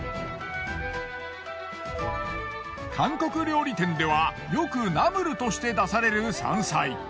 韓国料理店ではよくナムルとして出される山菜。